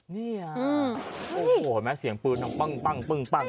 นี่โอ้โหเห็นมั้ยเสียงปืนพึ่ง